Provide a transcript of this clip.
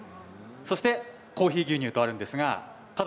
そしてコーヒー牛乳とあります。